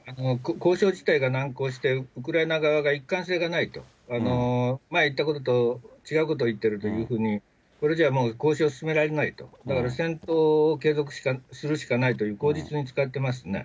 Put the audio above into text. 交渉自体が難航して、ウクライナ側が一貫性がないと、前言ったことと違うことを言ってるというふうに、これじゃあもう交渉進められないと、だから戦闘を継続するしかないと口実に使ってますね。